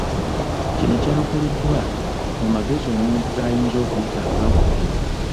Kino kyakolebwa mu magezi omuntu gayinza okuyita aga waggulu.